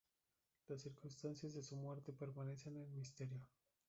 Las circunstancias de su muerte permanecen en misterio.